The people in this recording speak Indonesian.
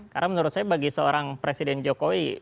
karena menurut saya bagi seorang presiden jokowi